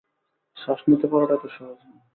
শ্বাস নিতে পারাটা এতো সহজ নয়!